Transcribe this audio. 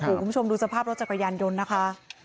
คุณผู้ชมดูสภาพรถจักรยานยนต์นะคะ